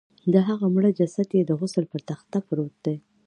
د هغه مړه جسد چې د غسل پر تخت پروت دی.